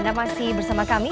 anda masih bersama kami